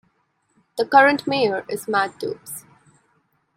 The current mayor is Matt Dobbs.